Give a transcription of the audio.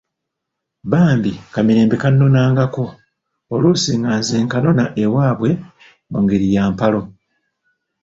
Bambi ka Mirembe kannonangako, oluusi nga nze nkanona ewaabwe mu ngeri ya mpalo.